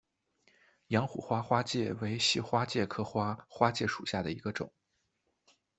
阳虎花花介为细花介科花花介属下的一个种。